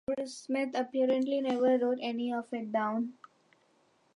Smith apparently never wrote any of it down.